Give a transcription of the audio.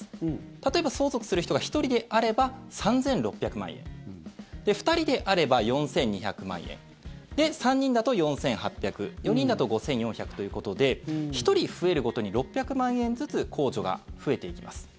例えば、相続する人が１人であれば３６００万円２人であれば４２００万円３人だと４８００４人だと５４００ということで１人増えるごとに６００万円ずつ控除が増えていきます。